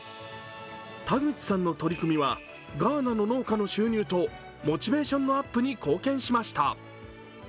田口さんの取り組みは、ガーナの農家の収入とモチベーションのアップに貢献しました。